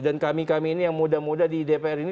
dan kami kami ini yang muda muda di dpr ini